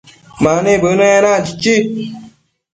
Mani bënë enac, chichi